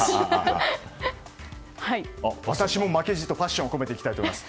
私も負けじとパッションを込めていきたいと思います。